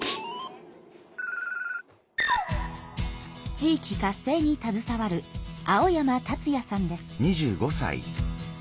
地域活性にたずさわる青山達哉さんです。